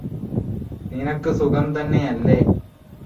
നിനക്ക് സുഖംതന്നെയല്ലേ